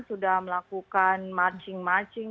sudah melakukan marching marching